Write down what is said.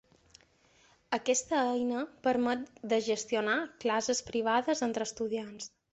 Aquesta eina permet de gestionar classes privades entre estudiants.